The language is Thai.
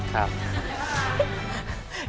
ครับ